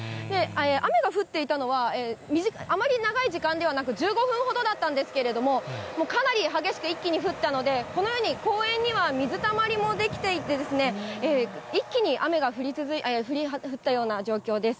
雨が降っていたのは、あまり長い時間ではなく、１５分ほどだったんですけれども、かなり激しく一気に降ったので、このように、公園には水たまりも出来ていて、一気に雨が降ったような状況です。